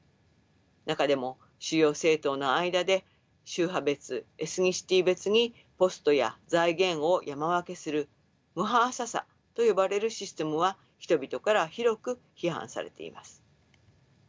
中でも主要政党の間で宗派別エスニシティー別にポストや財源を山分けするムハーササと呼ばれるシステムは人々から広く批判されています。